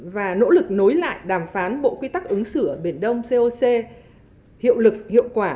và nỗ lực nối lại đàm phán bộ quy tắc ứng xử ở biển đông coc hiệu lực hiệu quả